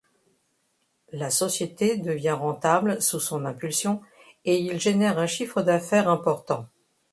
La société devient rentable sous son impulsion et il génère un chiffre d'affaires important.